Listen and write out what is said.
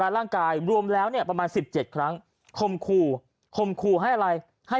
ร่างกายรวมแล้วเนี่ยประมาณ๑๗ครั้งคมคู่คมคู่ให้อะไรให้